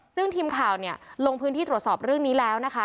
ซึ่งทีมข่าวเนี่ยลงพื้นที่ตรวจสอบเรื่องนี้แล้วนะคะ